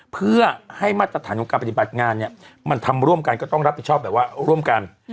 เพื่อให้มาตรฐานของการปฏิบัติงานเนี่ยมันทำร่วมกันก็ต้องรับผิดชอบแบบว่าร่วมกัน